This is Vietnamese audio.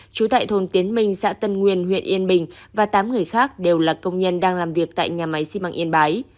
trú tại thôn tiến minh xã tân nguyên huyện yên bình và tám người khác đều là công nhân đang làm việc tại nhà máy xi măng yên bái